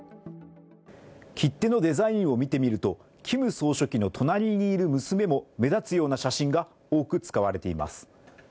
切手のデザインを見てみるとキム総書記の隣にいる娘も目立つような写真が多く使われています。